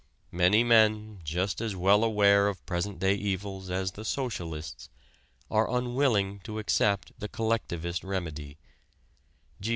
Many men, just as well aware of present day evils as the socialists, are unwilling to accept the collectivist remedy.